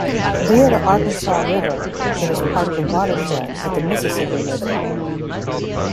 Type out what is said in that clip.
Via the Arkansas River, it is part of the watershed of the Mississippi River.